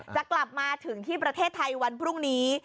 จะกลับมาถึงที่ประเทศไทยวันพรุ่งนี้